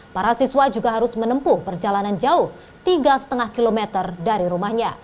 para siswa juga harus menempuh perjalanan jauh tiga lima km dari rumahnya